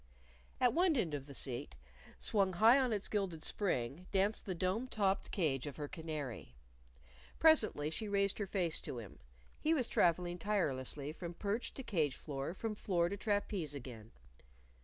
At one end of the seat, swung high on its gilded spring, danced the dome topped cage of her canary. Presently she raised her face to him. He was traveling tirelessly from perch to cage floor, from floor to trapeze again.